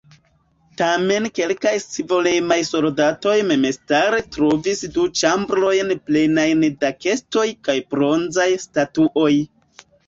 Tamen kelkaj scivolemaj soldatoj memstare trovis du ĉambrojn plenajn da kestoj kaj bronzaj statuoj.